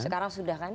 sekarang sudah kan